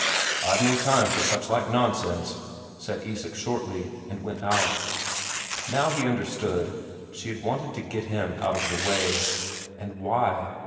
"I've no time for such like nonsense," said Isak shortly, and went out. Now he understood; she had wanted to get him out of the way. And why?